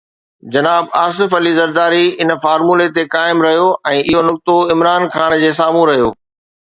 جناب آصف علي زرداري ان فارمولي تي قائم رهيو ۽ اهو نقطو عمران خان جي سامهون رهيو.